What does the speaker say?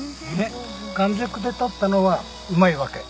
完熟で取ったのはうまいわけ。